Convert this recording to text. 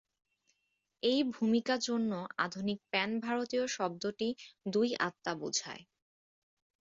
এই ভূমিকা জন্য আধুনিক প্যান-ভারতীয় শব্দটি "দুই আত্মা" বুঝায়।